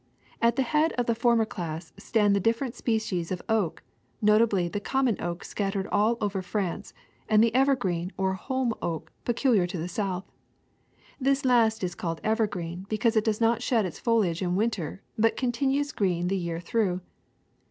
At the head of the former class stand the different species of oak, notably the common oak scattered all over France, and the evergreen or holm oak peculiar to the south. This last is called evergreen because it does not shed its foliage in winter, but continues green the year through.